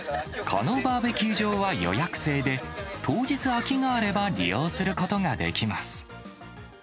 このバーベキュー場は予約制で、当日空きがあれば、利用することができます。